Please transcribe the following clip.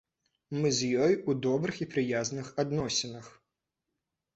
Мы з ёю ў добрых і прыязных адносінах.